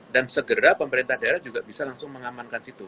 dan segera pemerintah daerah juga bisa langsung mengamankan situ